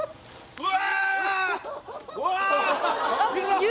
うわ